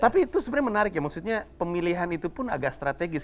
tapi itu sebenarnya menarik ya maksudnya pemilihan itu pun agak strategis